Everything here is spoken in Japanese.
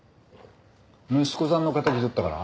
息子さんの敵とったから？